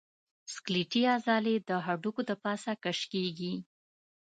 سکلیټي عضلې د هډوکو د پاسه کش کېږي.